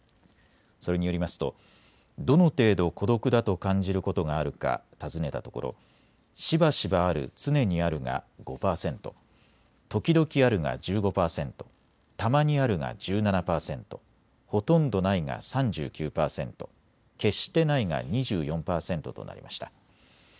それによりますとどの程度、孤独だと感じることがあるか尋ねたところしばしばある・常にあるが５％、時々あるが１５％、たまにあるが１７％、ほとんどないが３９％、決してないが２４％となりました。